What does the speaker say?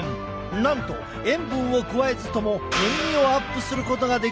なんと塩分を加えずとも塩味をアップすることができる